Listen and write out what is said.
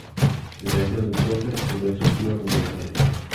Desde ese entonces Silvestre sueña con Buenos Aires.